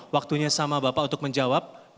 waktunya sama bapak untuk menjawab